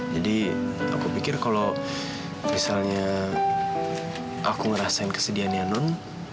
jadi aku pikir kalo misalnya aku ngerasain kesedihan ya non